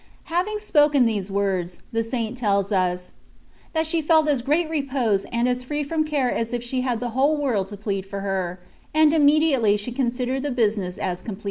Having spoken these words, the Saint tells us, '' That she felt as great repose, and as free from care as if she had the whole world to plead for her ; and imme diately she considered the business as completed."